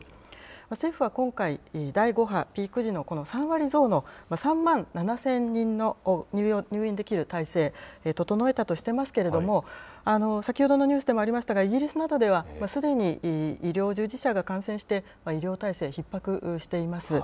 政府は今回、第５波、ピーク時の３割増の３万７０００人の入院できる体制、整えたとしてますけれども、先ほどのニュースでもありましたが、イギリスなどではすでに医療従事者が感染して、医療体制、ひっ迫しています。